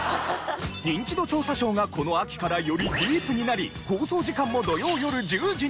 『ニンチド調査ショー』がこの秋からよりディープになり放送時間も土曜よる１０時に！